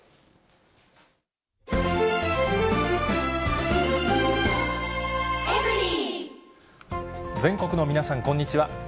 今回、全国の皆さん、こんにちは。